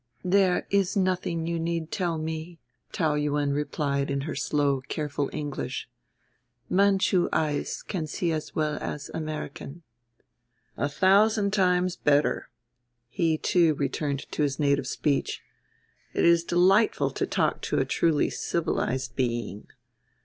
"There is nothing you need tell me," Taou Yuen replied in her slow careful English. "Manchu eyes can see as well as American." "A thousand times better." He, too, returned to his native speech. "It is delightful to talk to a truly civilized being.